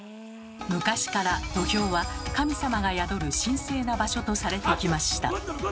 昔から土俵は神様が宿る神聖な場所とされてきました。